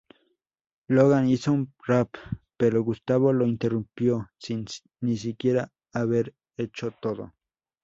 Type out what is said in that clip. Logan hizo un rap, pero Gustavo lo interrumpió sin ni siquiera haber hecho todo.